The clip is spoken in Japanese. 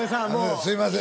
すいません